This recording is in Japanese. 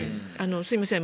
すみません